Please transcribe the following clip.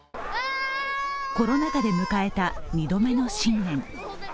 コロナ禍で迎えた２度目の新年。